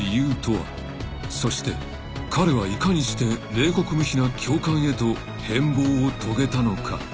［そして彼はいかにして冷酷無比な教官へと変貌を遂げたのか？］